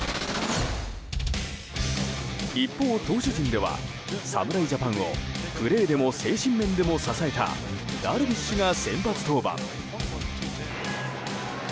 一方、投手陣では侍ジャパンをプレーでも精神面でも支えたダルビッシュが先発登板。